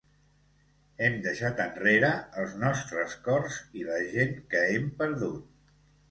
Hem deixat enrere els nostres cors i la gent que hem perdut.